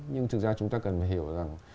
nhưng thực ra chúng ta cần phải hiểu rằng